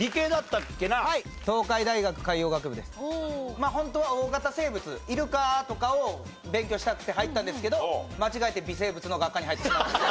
まあホントは大型生物イルカとかを勉強したくて入ったんですけど間違えて微生物の学科に入ってしまいました。